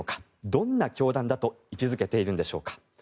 どんな教団だと位置付けているんでしょうか。